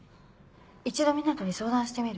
一度湊人に相談してみる。